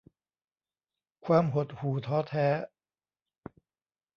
ความหดหู่ท้อแท้